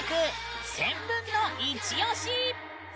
「１０００分のイチ推し」！